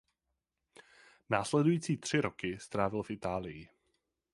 Následující tři roky strávil v Itálii.